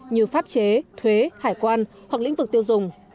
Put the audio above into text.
như pháp chế thuế hải quan hoặc lĩnh vực tiêu dùng